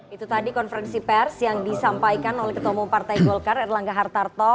itu tadi konferensi pers yang disampaikan oleh ketua umum partai golkar erlangga hartarto